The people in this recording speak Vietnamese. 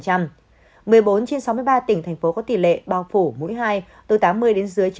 một mươi bốn trên sáu mươi ba tỉnh thành phố có tỷ lệ bao phủ mũi hai từ tám mươi đến dưới chín mươi